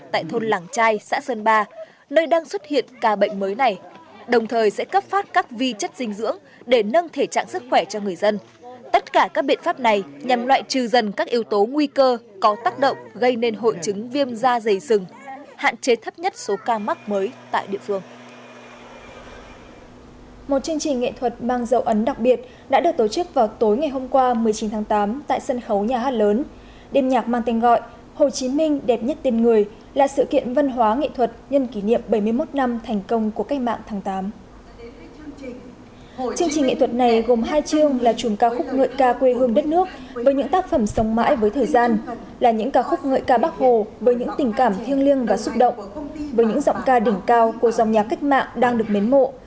là những ca khúc ngợi ca bác hồ với những tình cảm thiêng liêng và xúc động với những giọng ca đỉnh cao của dòng nhạc cách mạng đang được mến mộ